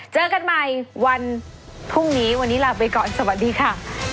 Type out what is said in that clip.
เจอกันใหม่วันพรุ่งนี้วันนี้ลาไปก่อนสวัสดีค่ะ